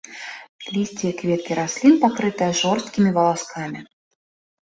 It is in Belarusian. Лісце і кветкі раслін пакрытыя жорсткім валаскамі.